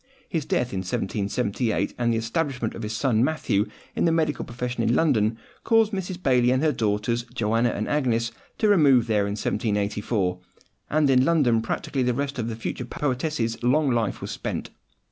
His death in 1778, and the establishment of his son Matthew in the medical profession in London, caused Mrs. Baillie and her daughters, Joanna and Agnes, to remove there in 1784; and in London practically the rest of the future poetess's long life was spent.